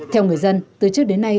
theo người dân từ trước đến nay